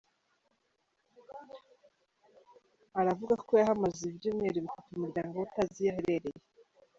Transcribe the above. Aravuga ko yahamaze ibyumweru bitatu umuryango we utazi iyo aherereye.